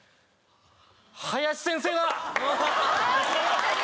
林先生だ！